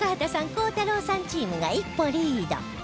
鋼太郎さんチームが一歩リード